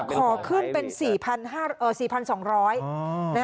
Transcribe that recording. ขอขึ้นเป็น๔๒๐๐บาท